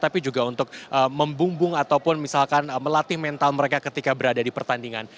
tapi juga untuk membumbung ataupun misalkan melatih mental mereka ketika berada di pertandingan